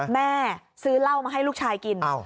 แม่ซื้อเหล้ามาให้ลูกชายกิน